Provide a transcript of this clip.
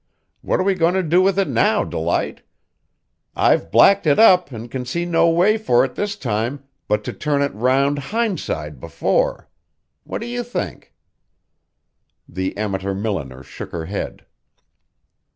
What are we goin' to do with it now, Delight? I've blacked it up an' can see no way for it this time but to turn it round hindside before. What do you think?" The amateur milliner shook her head.